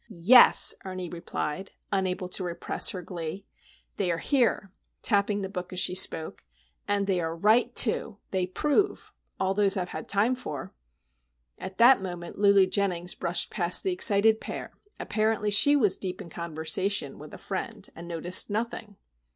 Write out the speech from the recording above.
"Yes," Ernie replied, unable to repress her glee. "They are here!" tapping the book as she spoke. "And they are right, too. They prove!—all those I've had time for!" At that moment Lulu Jennings brushed past the excited pair. Apparently she was deep in conversation with a friend, and noticed nothing.